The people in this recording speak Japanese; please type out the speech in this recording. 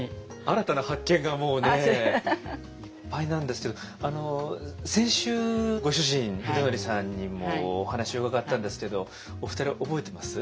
新たな発見がもうねいっぱいなんですけどあの先週ご主人秀則さんにもお話伺ったんですけどお二人覚えてます？